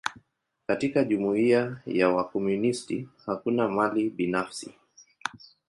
Katika jumuia ya wakomunisti, hakuna mali binafsi.